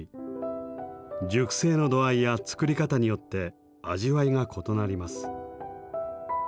熟成の度合いや造り方によって味わいが異なります。